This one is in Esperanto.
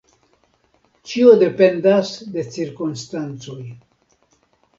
Ĉio dependas de cirkonstancoj.